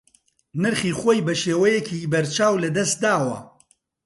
نرخی خۆی بە شێوەیەکی بەرچاو لەدەست داوە